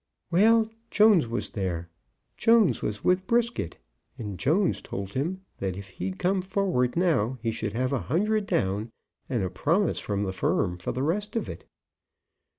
"Well, Jones was there. Jones was with Brisket, and Jones told him that if he'd come forward now he should have a hundred down, and a promise from the firm for the rest of it."